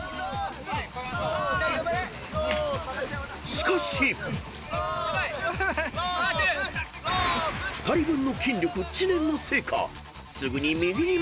［しかし］［２人分の筋力知念のせいか］